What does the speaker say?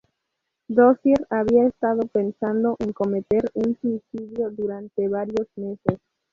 Dozier había estado pensando en cometer un suicidio durante varios meses.